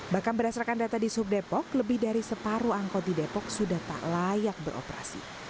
bahkan berdasarkan data di subdepok lebih dari separuh angkot di depok sudah tak layak beroperasi